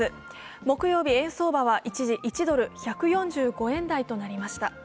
木曜日、円は一時１ドル＝１４６円台になりました。